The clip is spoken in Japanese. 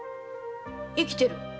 生きている。